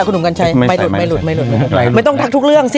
คุณหนุ่มกัญชัยไปหลุดไม่หลุดไม่หลุดไม่ต้องทักทุกเรื่องสิ